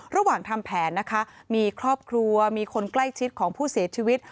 ระหว่างทำแผนนะคะมีครอบครัวมีคนใกล้ชิดของผู้เสียชีวิต